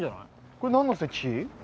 これ何の石碑？